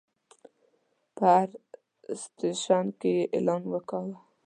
په هر سټیشن کې یې اعلان کاوه.